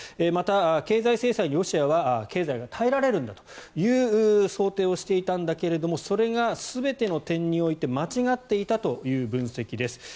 また、経済制裁にロシアは経済に耐えられるという想定をしていたけれどもそれが全ての点において間違っていたという分析です。